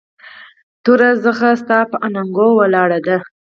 توره زخه ستا پهٔ اننګو ولاړه ده